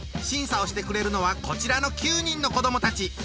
審査をしてくれるのはこちらの９人の子どもたち。